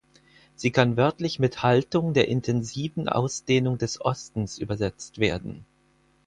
Sie kann wörtlich mit Haltung der intensiven Ausdehnung des Ostens übersetzt werden.